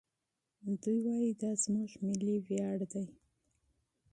دوی وايي دا زموږ ملي ویاړ دی.